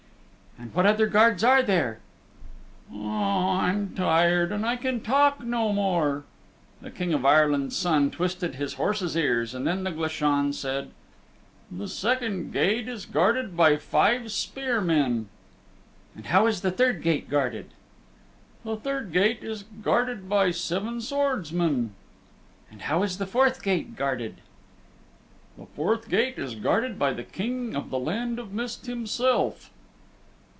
"And what other guards are there?" "Oh, I'm tired, and I can talk no more." The King of Ireland's Son twisted his horse's ears, and then the Glashan said "The second gate is guarded by five spear men." "And how is the third gate guarded?" "The third gate is guarded by seven swordsmen." "And how is the fourth gate guarded?" "The fourth gate is guarded by the King of the Land of Mist himself."